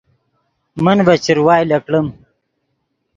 من ڤے چروائے لکڑیم